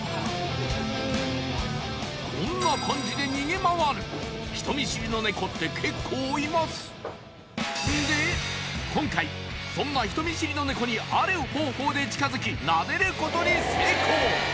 こんな感じで逃げ回る人見知りのネコって結構いますで今回そんな人見知りのネコにある方法で近づき撫でることに成功！